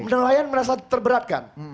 nelayan merasa terberat kan